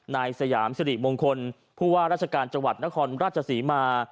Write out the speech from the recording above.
นายสยามสิริมงคลผู้ว่าราชการจังหวัดนครราชศรีมา